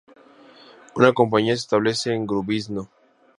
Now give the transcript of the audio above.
Una compañía se establece en Grubišno.